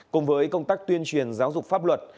cùng với công tác tuyên truyền giáo dục pháp luật